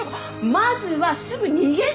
まずはすぐ逃げなきゃ。